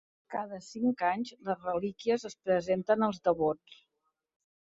Cada cinc anys les relíquies es presenten als devots.